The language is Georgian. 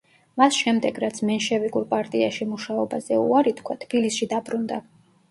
მას შემდეგ, რაც მენშევიკურ პარტიაში მუშაობაზე უარი თქვა, თბილისში დაბრუნდა.